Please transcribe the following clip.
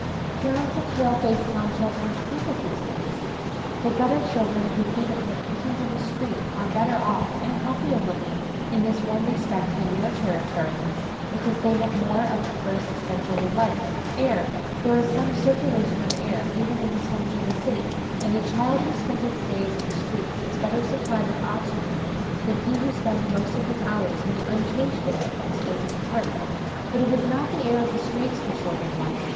Parents of pale faced town children, think of these things ! The gutter children who feed on the pickings of the streets are better off (and healthier looking) in this one respect than your cherished darlings, because they have more of the first essential of life air. There is some circulation of air even in the slums of the city, and the child who spends its days in the streets is better supplied with oxygen than he who spends most of his hours in the unchanged air of a spacious apartment. But it is not 32 HOME EDUCATION the air of the streets the children want.